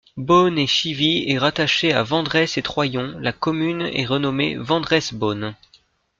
Beaulne-et-Chivy est rattachée à Vendresse-et-Troyon, la commune est renommée Vendresse-Beaulne.